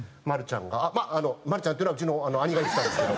「丸ちゃん」っていうのはうちの兄が言ってたんですけど。